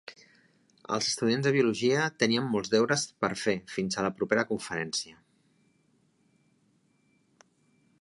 Els estudiants de biologia tenien molts deures per fer fins a la propera conferència.